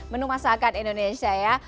menu masakan indonesia ya